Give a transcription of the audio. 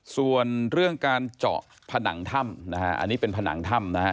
ส่วนเรื่องการเจาะผนังถ้ำนะฮะอันนี้เป็นผนังถ้ำนะฮะ